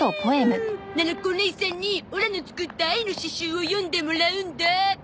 ななこおねいさんにオラの作った愛の詩集を読んでもらうんだ！